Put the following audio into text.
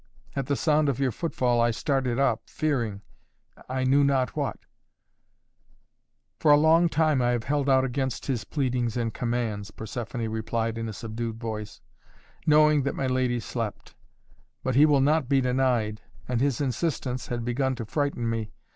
"At the sound of your footfall I started up fearing I knew not what " "For a long time have I held out against his pleadings and commands," Persephoné replied in a subdued voice, "knowing that my lady slept. But he will not be denied, and his insistence had begun to frighten me.